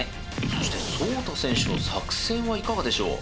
そしてそうた選手の作戦はいかがでしょう？